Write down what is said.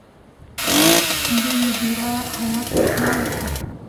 ده مدیره هیات ته اطلاع ورکړه.